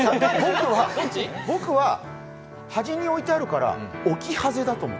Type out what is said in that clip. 僕は端に置いてあるからオキハゼだと思う。